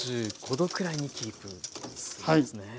℃くらいにキープするんですね。